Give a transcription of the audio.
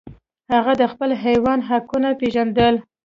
هغه د خپل حیوان حقونه پیژندل.